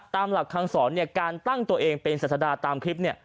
ตามหลักคำสอนเนี่ยการตั้งตัวเองเป็นศาสดาตามคลิปเนี่ย